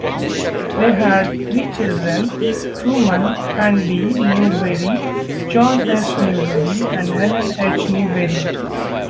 They had three children, Truman Handy Newberry, John S. Newberry and Helen H. Newberry.